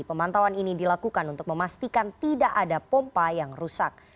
pemantauan ini dilakukan untuk memastikan tidak ada pompa yang rusak